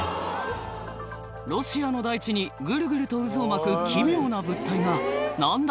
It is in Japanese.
ロシアの大地にぐるぐると渦を巻く奇妙な物体が何だ？